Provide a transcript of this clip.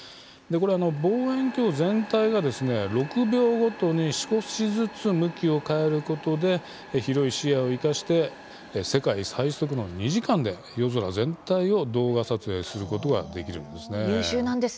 望遠鏡全体が６秒ごとに少しずつ向きを変えることで広い視野を生かして世界最速、２時間で夜空全体を動画撮影することができます。